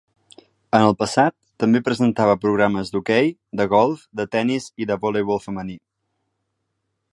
En el passat, també presentava programes d'hoquei, de golf, de tennis i de voleibol femení.